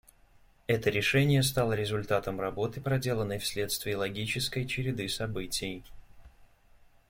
Это решение стало результатом работы, проделанной вследствие логической череды событий.